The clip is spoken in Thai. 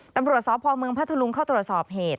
ตำรวจสอบพพระทะลุงเข้าตรวจสอบเหตุ